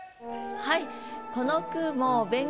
はい。